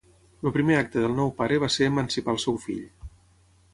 El primer acte del nou pare va ser emancipar al seu fill.